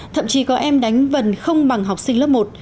thậm chí có em đánh vần không bằng học sinh lớp một